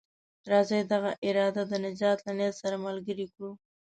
راځئ دغه اراده د نجات له نيت سره ملګرې کړو.